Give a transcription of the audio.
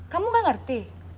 kamu gak ngerti